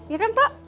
iya kan pak